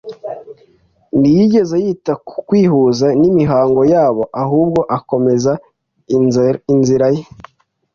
ntiyigeze yita ku kwihuza n'imihango yabo, ahubwo akomeza inzira ye,